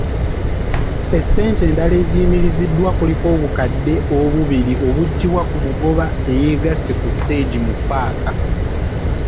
Essente endala eziyimiriziddwa kuliko obukadde obubiri obujjibwa ku mugoba ayeegasse ku siteegi mu ppaka.